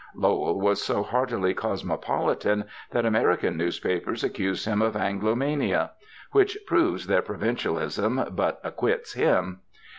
Lowell was so heartily cosmopolitan that American newspapers accused him of Anglomania which proves their provincialism but acquits him.